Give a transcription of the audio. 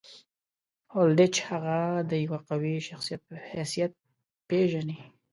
هولډیچ هغه د یوه قوي شخصیت په حیث راپېژني.